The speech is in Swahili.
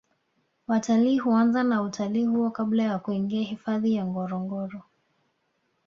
watalii huanza na utalii huo kabla ya kuingia hifadhi ya ngorongoro